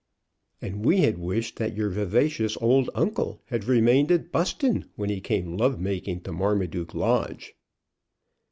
"And we had wished that your vivacious old uncle had remained at Buston when he came love making to Marmaduke Lodge."